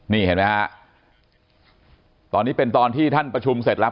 นี่เห็นไหมฮะตอนนี้เป็นตอนที่ท่านประชุมเสร็จแล้ว